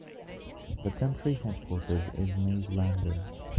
The county headquarters’ is Mays Landing.